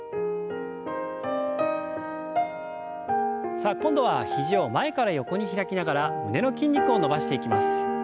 さあ今度は肘を前から横に開きながら胸の筋肉を伸ばしていきます。